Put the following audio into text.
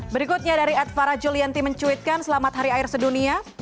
berikutnya dari ad farajulianti mencuitkan selamat hari air sedunia